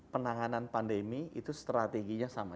penanganan pandemi itu strateginya sama